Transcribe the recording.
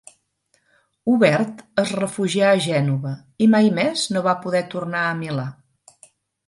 Obert es refugià a Gènova i mai més no va poder tornar a Milà.